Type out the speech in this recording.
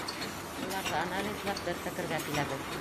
Уларҙы анализлап, бер фекергә киләбеҙ.